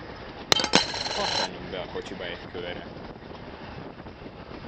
Pattanjunk be a kocsiba egy körre!